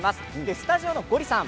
スタジオのゴリさん